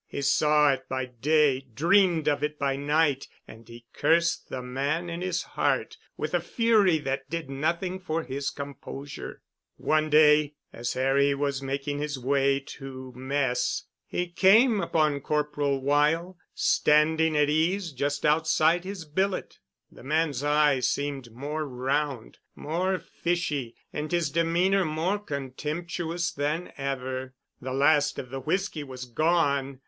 He saw it by day, dreamed of it by night, and he cursed the man in his heart with a fury that did nothing for his composure. One day as Harry was making his way to mess, he came upon Corporal Weyl standing at ease just outside his billet. The man's eye seemed more round, more fishy, and his demeanor more contemptuous than ever. The last of the whisky was gone.